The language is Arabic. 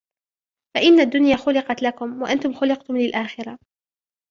فَإِنَّ الدُّنْيَا خُلِقَتْ لَكُمْ وَأَنْتُمْ خُلِقْتُمْ لِلْآخِرَةِ